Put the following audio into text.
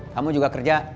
kamu juga kerja